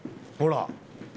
ほら。